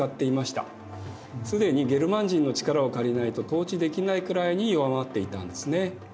既にゲルマン人の力を借りないと統治できないくらいに弱まっていたんですね。